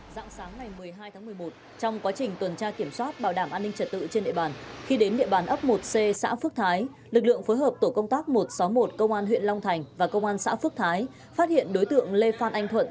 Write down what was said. dạng sáng ngày một mươi hai tháng một mươi một trong quá trình tuần tra kiểm soát bảo đảm an ninh trật tự trên địa bàn khi đến địa bàn ấp một c xã phước thái lực lượng phối hợp tổ công tác một trăm sáu mươi một công an huyện long thành và công an xã phước thái phát hiện đối tượng lê phan anh thuận